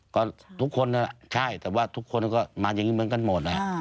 ก็ทุกคนน่ะใช่แต่ว่าทุกคนก็มาอย่างนี้เหมือนกันหมด